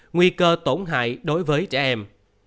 nguy cơ tổn hại đối với trẻ em